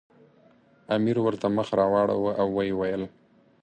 امیر ورته مخ راواړاوه او ویې ویل.